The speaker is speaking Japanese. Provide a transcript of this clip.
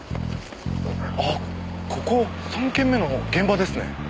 あっここ３件目の現場ですね。